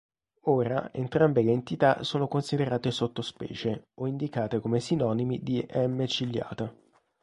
Ora entrambe le entità sono considerate sottospecie o indicate come sinonimi di "M. ciliata".